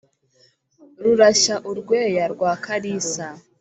Rurashya u Rweya rwa Kalisa